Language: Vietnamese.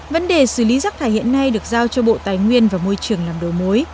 vấn đề xử lý rác thải hiện nay được giao cho bộ tài nguyên và môi trường làm đồ mối